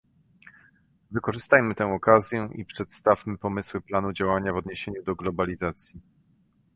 Wykorzystajmy tę okazję i przedstawmy pomysły planu działania w odniesieniu do globalizacji